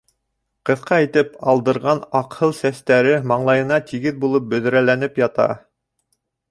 Ҡыҫҡа итеп алдырған аҡһыл сәстәре маңлайына тигеҙ булып бөҙрәләнеп ята.